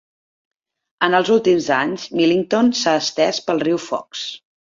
En els últims anys, Millington s'ha estès pel riu Fox.